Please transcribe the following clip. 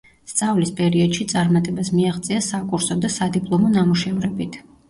სწავლის პერიოდში წარმატებას მიაღწია საკურსო და სადიპლომო ნამუშევრებით.